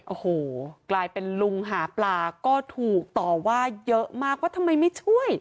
โอ้โหกลายเป็นลุงหาปลาก็ถูกต่อว่าเยอะมากว่าทำไมไม่ช่วย